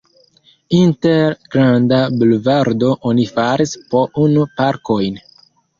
Inter Granda bulvardo oni faris po unu parkojn.